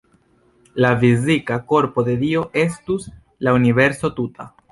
La fizika korpo de Dio estus la universo tuta.